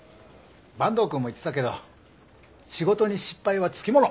坂東くんも言ってたけど仕事に失敗はつきもの。